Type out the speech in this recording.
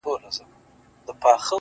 • چي مي دري نیوي کلونه کشوله,